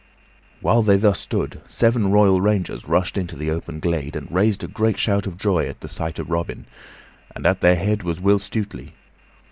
While they thus stood, seven royal rangers rushed into the open glade and raised a great shout of joy at the sight of Robin; and at their head was Will Stutely.